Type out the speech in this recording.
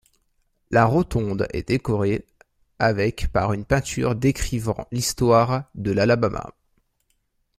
La rotonde est décorée avec par une peinture décrivant l'histoire de l'Alabama.